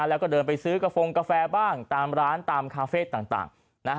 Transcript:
แล้วก็เดินไปซื้อกระโฟงกาแฟบ้างตามร้านตามคาเฟ่ต่าง